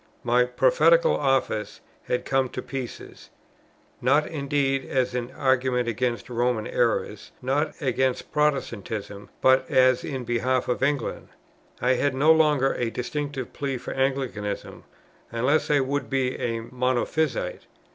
My "Prophetical Office" had come to pieces; not indeed as an argument against "Roman errors," nor as against Protestantism, but as in behalf of England. I had no longer a distinctive plea for Anglicanism, unless I would be a Monophysite.